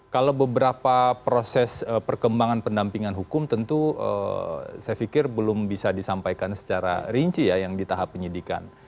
kalau beberapa proses perkembangan pendampingan hukum tentu saya pikir belum bisa disampaikan secara rinci ya yang di tahap penyidikan